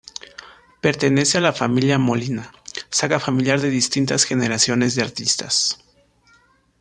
Pertenece a la familia Molina, saga familiar de distintas generaciones de artistas.